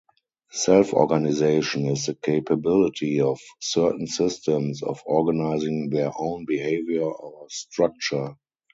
Self-organization is the capability of certain systems "of organizing their own behavior or structure".